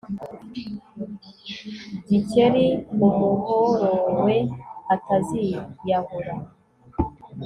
Gikeli umuhorowe ataziyahura